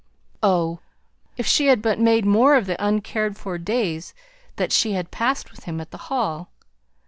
Oh! if she had but made more of the uncared for days that she had passed with him at the Hall!